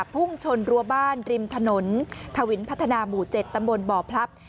พุ่งชนรัวบ้านริมถนนทวินพัฒนาหมู่๗ตำบลบ่อพลับ